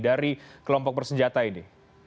dari kelompok bersenjata ini